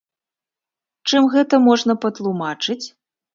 Чым гэта можна патлумачыць?